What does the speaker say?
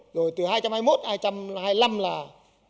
rồi từ hai trăm hai mươi một hai trăm hai mươi năm là bao nhiêu